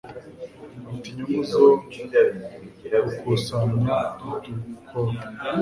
Afite inyungu zo gukusanya udukoko.